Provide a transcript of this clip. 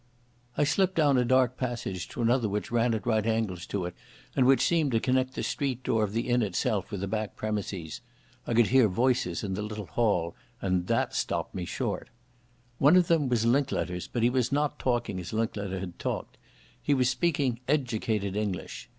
I slipped down a dark passage to another which ran at right angles to it, and which seemed to connect the street door of the inn itself with the back premises. I could hear voices in the little hall, and that stopped me short. One of them was Linklater's, but he was not talking as Linklater had talked. He was speaking educated English.